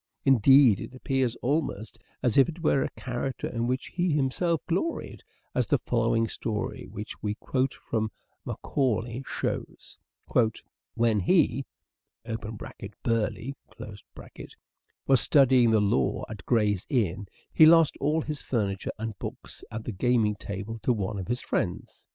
Indeed it appears almost as if it were a character in which he himself gloried, as the following story which we quote from Macaulay shows :—" When he (Burleigh) was studying the law at Gray's Inn he lost all his furniture and books at the gaming table to one of his friends.